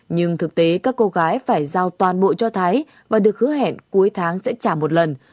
nhưng thực tế các cô gái phải giao toàn bộ cho thái và được hứa hẹn cuối tháng sẽ trả một lần